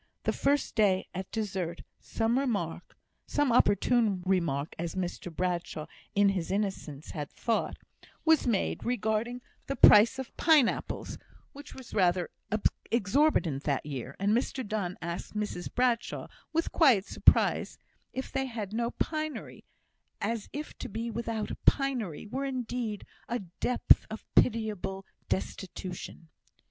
The first day at dessert, some remark (some opportune remark, as Mr Bradshaw in his innocence had thought) was made regarding the price of pine apples, which was rather exorbitant that year, and Mr Donne asked Mrs Bradshaw, with quiet surprise, if they had no pinery, as if to be without a pinery were indeed a depth of pitiable destitution.